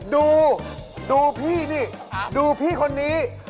ดูดูพี่ดิดูพี่คนนี้